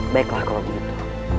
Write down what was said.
baiklah kalau begitu